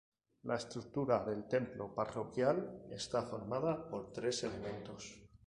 La estructura del templo parroquial, está formada por tres elementos.